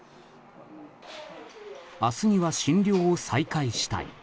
明日には診療を再開したい。